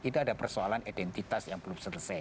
itu ada persoalan identitas yang belum selesai